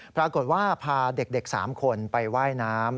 ปรากฏว่าพาเด็ก๓คนไปว่ายน้ำ